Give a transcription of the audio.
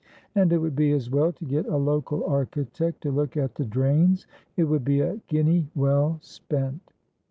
And it would be as well to get a local architect to look at the drains. It would be a guinea well spent.'